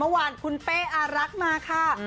เมื่อวานคุณเป้อารักษ์มาค่ะ